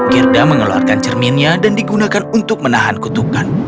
gerda mengeluarkan cerminnya dan digunakan untuk menahan kutukan